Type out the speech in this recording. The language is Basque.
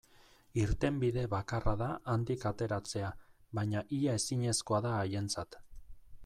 Irtenbide bakarra da handik ateratzea, baina ia ezinezkoa da haientzat.